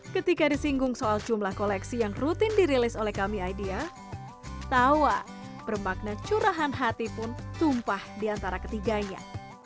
ketika disinggung soal jumlah koleksi yang rutin dirilis oleh kami idea tawa bermakna curahan hati pun tumpah di antara ketiganya